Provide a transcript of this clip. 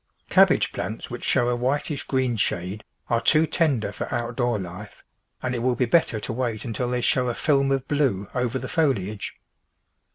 Cabbage plants which show a whitish green shade are too tender for outdoor life, and it will be better to wait until they show a film of blue over the foli age.